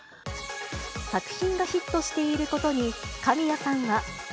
作品がヒットしていることに、神谷さんは。